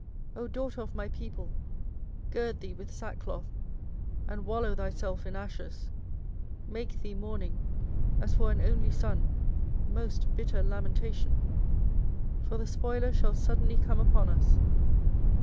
24:006:026 O daughter of my people, gird thee with sackcloth, and wallow thyself in ashes: make thee mourning, as for an only son, most bitter lamentation: for the spoiler shall suddenly come upon us.